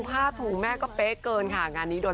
พาทวงแม่ก็เป๊ะเกินค่ะ